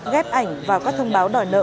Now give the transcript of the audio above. ghép ảnh vào các thông báo đòi nợ